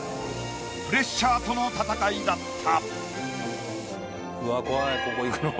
プレッシャーとの闘いだった。